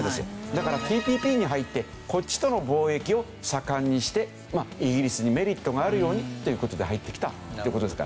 だからＴＰＰに入ってこっちとの貿易を盛んにしてイギリスにメリットがあるようにという事で入ってきたという事ですから。